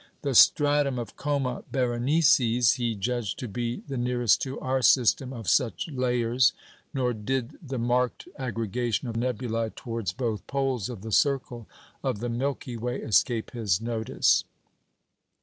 The stratum of Coma Berenices he judged to be the nearest to our system of such layers; nor did the marked aggregation of nebulæ towards both poles of the circle of the Milky Way escape his notice.